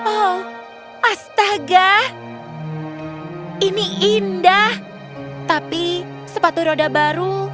oh astaga ini indah tapi sepatu roda baru